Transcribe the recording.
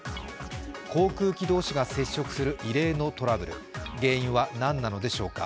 航空機同士が接触する異例のトラブル、原因は何なのでしょうか。